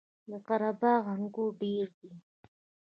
د قره باغ انګور ډیر دي